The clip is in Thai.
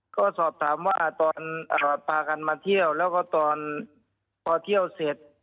ก็สอบถามว่าตอนพากันมาเที่ยวแล้วก็ตอนพอเที่ยวเสร็จ